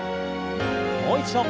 もう一度。